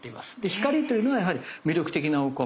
ヒカリというのはやはり魅力的なお米。